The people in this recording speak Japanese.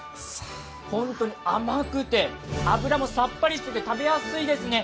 本当に甘くて脂もさっぱりしていて食べやすいですね。